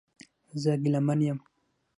زه ګیلمن یم